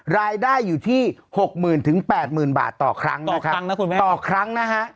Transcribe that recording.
รายได้อยู่ที่หกหมื่นถึงแปดหมื่นบาทต่อครั้งนะครับต่อครั้งนะครับ